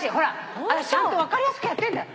あたしちゃんと分かりやすくやってんだ。